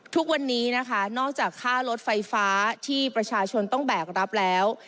ทุกวันนี้นะคะนอกจากค่ารถไฟฟ้าที่ประชาชนต้องแบกรับแล้ว